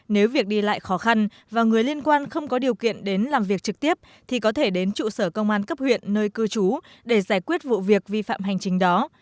nếu việc đi lại khó khăn và người liên quan không có điều kiện đến làm việc trực tiếp thì có thể đến trụ sở công an cấp huyện nơi cư trú để giải quyết vụ việc vi phạm hành chính đó